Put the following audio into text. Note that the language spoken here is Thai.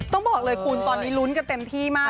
ต้องบอกเลยคุณตอนนี้ลุ้นกันเต็มที่มาก